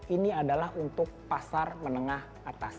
ini adalah untuk pasar menengah atas